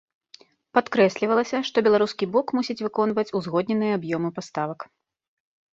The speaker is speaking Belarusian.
Падкрэслівалася, што беларускі бок мусіць выконваць узгодненыя аб'ёмы паставак.